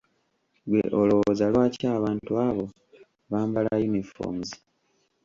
Ggwe olowooza lwaki abantu abo bambala uniforms?